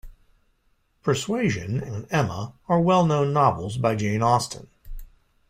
Persuasion and Emma are well-known novels by Jane Austen